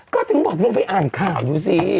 ก็ถึงบอกพวกมันไปอ่านข่าวดูสิ